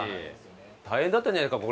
大変だったんじゃないんですか？